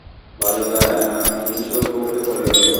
বালিকা একাকিনী শৈলপথে পড়িয়া রহিল।